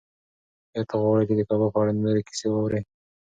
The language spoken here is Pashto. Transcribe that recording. ایا ته غواړې چې د کباب په اړه نورې کیسې واورې؟